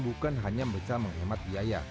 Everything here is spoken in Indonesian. bukan hanya bisa menghemat biaya